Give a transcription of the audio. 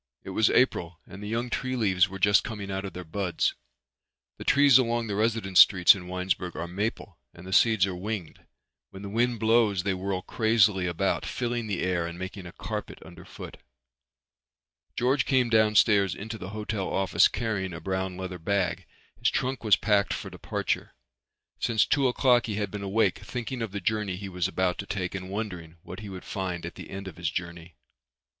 It was April and the young tree leaves were just coming out of their buds. The trees along the residence streets in Winesburg are maple and the seeds are winged. When the wind blows they whirl crazily about, filling the air and making a carpet underfoot. George came downstairs into the hotel office carrying a brown leather bag. His trunk was packed for departure. Since two o'clock he had been awake thinking of the journey he was about to take and wondering what he would find at the end of his journey.